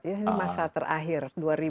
ini masa terakhir dua ribu dua puluh